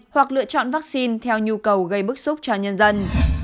hoặc lựa chọn vaccine theo nhu cầu gây bức xúc cho nhân dân